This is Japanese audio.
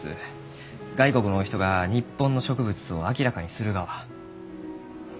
外国のお人が日本の植物を明らかにするがは。